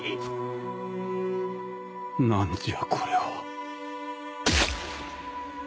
何じゃこれは